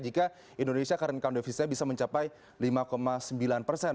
jika indonesia current count defisitnya bisa mencapai lima sembilan persen